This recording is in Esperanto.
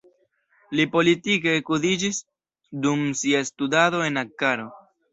Li politike edukiĝis dum sia studado en Ankaro.